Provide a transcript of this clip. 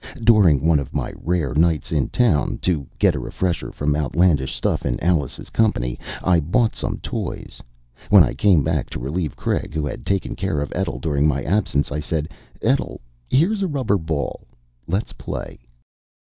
During one of my rare nights in town to get a refresher from outlandish stuff in Alice's company I bought some toys. When I came back to relieve Craig, who had taken care of Etl during my absence, I said: "Etl, here's a rubber ball. Let's play."